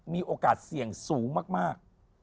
มีโอกาสเสี่ยงสูงมาก